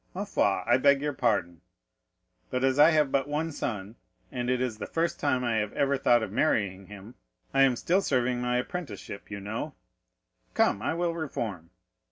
Ma foi, I beg your pardon, but as I have but one son, and it is the first time I have ever thought of marrying him, I am still serving my apprenticeship, you know; come, I will reform."